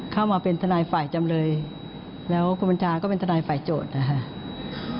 เข้ามาเป็นทนายฝ่ายจำเลยแล้วคุณบัญชาก็เป็นทนายฝ่ายโจทย์นะครับ